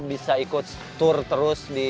bisa ikut tour terus di